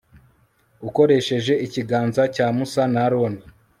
ukoresheje ikiganza cya musa na aroni